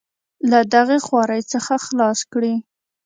له دغې خوارۍ څخه خلاص کړي.